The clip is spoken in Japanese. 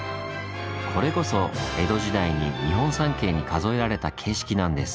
これこそ江戸時代に日本三景に数えられた景色なんです。